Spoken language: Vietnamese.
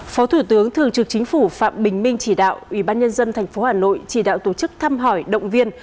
phó thủ tướng thường trực chính phủ phạm bình minh chỉ đạo ủy ban nhân dân tp hà nội chỉ đạo tổ chức thăm hỏi động viên